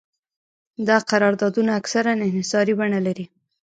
دا قراردادونه اکثراً انحصاري بڼه لري